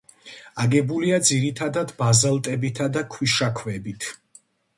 აგებულია ძირითადად ბაზალტებითა და ქვიშაქვებით.